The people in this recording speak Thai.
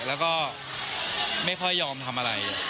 แล้วก็ไม่ค่อยยอมทำอะไร